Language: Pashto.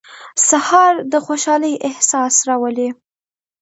سهار د خوشحالۍ احساس راولي.